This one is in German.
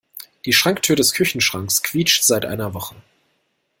Die Schranktür des Küchenschranks quietscht seit einer Woche.